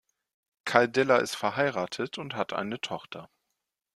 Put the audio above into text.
Karl Diller ist verheiratet und hat eine Tochter.